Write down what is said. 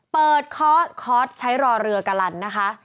เปิดคอร์สคอร์สใช้รอเรือกะลันนะคะ